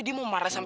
saya mau berbual